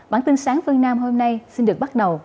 bản tin sáng phương nam hôm nay xin được bắt đầu